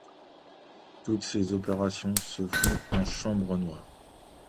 Toutes ces opérations se font en chambre noire.